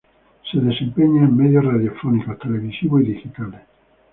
Se desempeña en medios radiofónicos, televisivos y digitales.